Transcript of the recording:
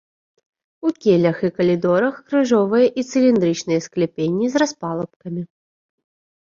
У келлях і калідорах крыжовыя і цыліндрычныя скляпенні з распалубкамі.